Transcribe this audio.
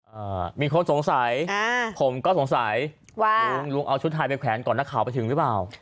อ่ามีคนสงสัยอ่าผมก็สงสัยว่าลุงลุงเอาชุดไทยไปแขวนก่อนนักข่าวไปถึงหรือเปล่า